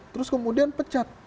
terus kemudian pecat